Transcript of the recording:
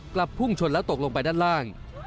กลับพุ่งชนและตกลงไปด้านล่าง